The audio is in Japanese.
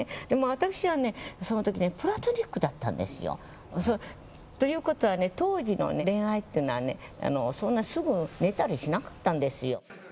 私はね、そのときね、プラトニックだったんですよ。ということはね、当時の恋愛っていうのはね、そんなすぐ寝たりしなかったんですよ。